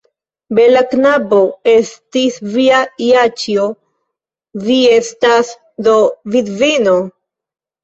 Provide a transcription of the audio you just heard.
Bela knabo estis via Jaĉjo; vi estas do vidvino!